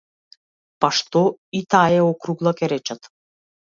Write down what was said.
Па што, и таа е округла, ќе речат.